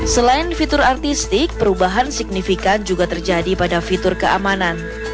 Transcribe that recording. selain fitur artistik perubahan signifikan juga terjadi pada fitur keamanan